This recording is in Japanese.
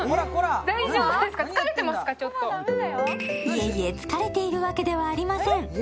いえいえ、疲れているわけではありません。